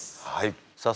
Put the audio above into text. はい。